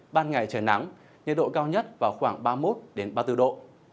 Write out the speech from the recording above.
ban ngày trời nắng nhiệt độ cao nhất vào khoảng ba mươi một ba mươi bốn độ